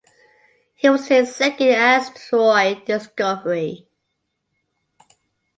It was his second asteroid discovery.